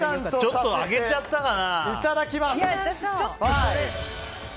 ちょっと上げちゃったかな。